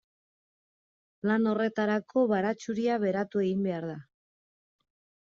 Lan horretarako baratxuria beratu egin behar da.